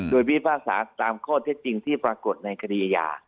โดยพิพากษาตามข้อเท็จจริงที่ปรากฏในคดีอาญา